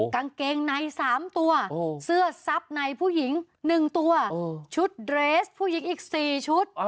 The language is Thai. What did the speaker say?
กางเกงใน๓ตัวเสื้อซับในผู้หญิง๑ตัวชุดเรสผู้หญิงอีก๔ชุด